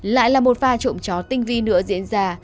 lại là một pha trộm chó tinh vi nữa diễn ra